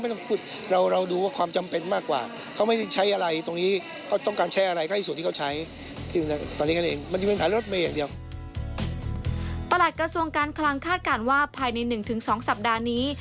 หลักกระทรวงการคลังคาดการณ์ว่าภายใน๑๒สัปดาห์นี้